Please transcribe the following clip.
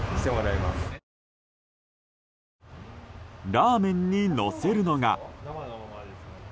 ラーメンにのせるのが。